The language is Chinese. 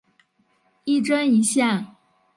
一针一线